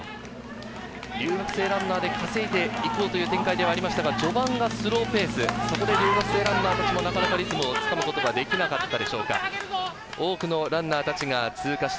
留学生ランナーで稼いでいこうという展開ではありましたが、序盤がスローペース、そこで留学生ランナーたちもなかなかペースを掴むことができなかったでしょうか。